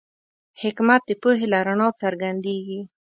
حکمت د پوهې له رڼا څرګندېږي.